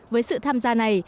với sự tham gia này